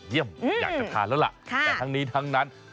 อยากจะทานแล้วล่ะแต่ทั้งนี้ทั้งนั้น